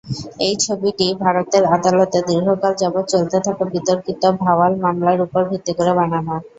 এই ছবিটি ভারতের আদালতে দীর্ঘকাল যাবৎ চলতে থাকা বিতর্কিত ভাওয়াল মামলার উপর ভিত্তি করে বানানো।